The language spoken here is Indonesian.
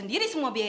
iya juga sih